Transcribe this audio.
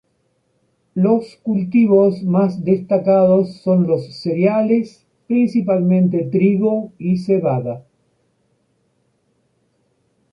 Los cultivos más destacados son los cereales, principalmente trigo y cebada.